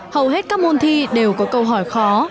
hầu hết các môn thi đều có câu hỏi khó